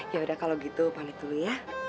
ya udah kalau gitu panggil dulu ya